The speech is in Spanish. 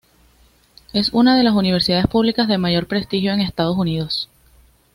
Es una de las universidades públicas de mayor prestigio en Estados Unidos.